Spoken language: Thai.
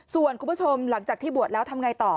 ส่วนคุณผู้ชมหลังจากที่บวชแล้วทำไงต่อ